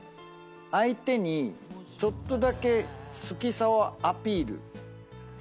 相手にちょっとだけ好きさをアピールしているかどうか。